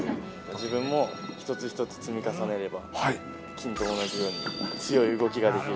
自分も一つ一つ積み重ねれば、金と同じように強い動きができる。